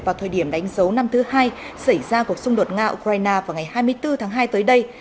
vào thời điểm đánh dấu năm thứ hai xảy ra cuộc xung đột nga ukraine vào ngày hai mươi bốn tháng hai tới đây